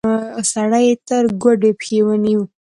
سړی يې تر ګوډې پښې ونيو.